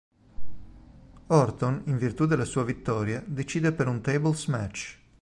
Orton, in virtù della sua vittoria, decide per un Tables Match.